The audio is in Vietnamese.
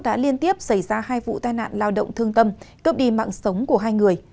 đã liên tiếp xảy ra hai vụ tai nạn lao động thương tâm cướp đi mạng sống của hai người